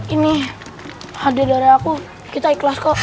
ini hadiah dari aku kita iklas kok